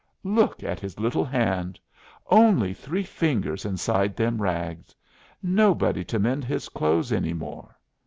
"Look at his little hand!" "Only three fingers inside them rags!" "Nobody to mend his clothes any more."